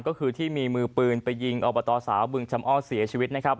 ก็คือที่มีมือปืนไปยิงอบตสาวบึงชำอ้อเสียชีวิตนะครับ